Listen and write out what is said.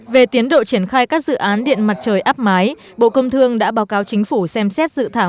về tiến độ triển khai các dự án điện mặt trời áp mái bộ công thương đã báo cáo chính phủ xem xét dự thảo